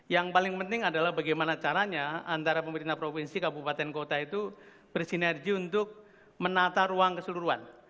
yang paling penting adalah bagaimana caranya antara pemerintah provinsi kabupaten kota itu bersinergi untuk menata ruang keseluruhan